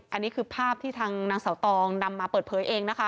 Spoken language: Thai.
อันนี้คือภาพที่ทางนางเสาตองนำมาเปิดเผยเองนะคะ